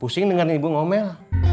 pusing dengan ibu ngomel